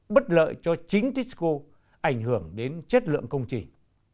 bất lợi cho chính tisco ảnh hưởng đến chất lượng công trình